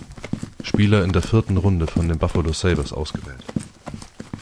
Spieler in der vierten Runde von den Buffalo Sabres ausgewählt.